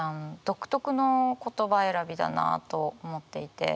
独特の言葉選びだなと思っていて。